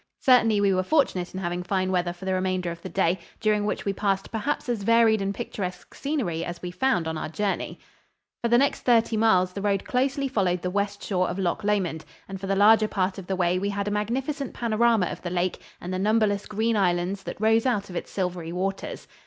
Certainly we were fortunate in having fine weather for the remainder of the day, during which we passed perhaps as varied and picturesque scenery as we found on our journey. [Illustration: THE PATH BY THE LOCH. From Photograph.] For the next thirty miles the road closely followed the west shore of Loch Lomond, and for the larger part of the way we had a magnificent panorama of the lake and the numberless green islands that rose out of its silvery waters.